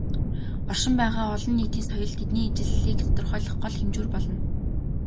Оршин байгаа "олон нийтийн соёл" тэдний ижилслийг тодорхойлох гол хэмжүүр болно.